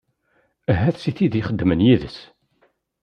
Ahat si tid i ixeddmen yid-s?